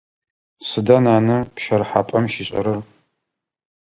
Сыда нанэ пщэрыхьапӏэм щишӏэрэр?